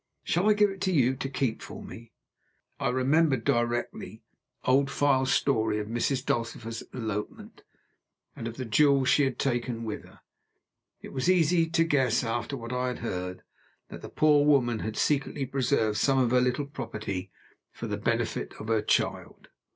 shall I give it you to keep for me?" I remembered directly Old File's story of Mrs. Dulcifer's elopement, and of the jewels she had taken with her. It was easy to guess, after what I had heard, that the poor woman had secretly preserved some of her little property for the benefit of her child.